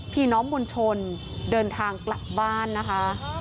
พี่น้องมวลชนเดินทางกลับบ้านนะคะ